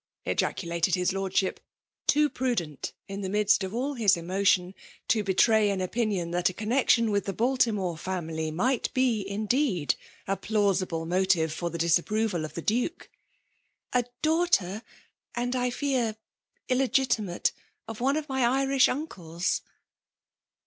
*' ejaculated his Lord ship, too prudent, in the midst of all his emo^ tion, to betray an opinion that a connexion with the Baltimore fiunily might be itideed a plausible motive for the disapproval of the Duke. '*^A daughteif, — and, I fear, illegitimate,— of one of my Irish uncles."